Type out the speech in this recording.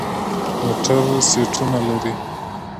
موټر سیټونه لري.